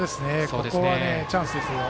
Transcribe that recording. ここは、チャンスですよ。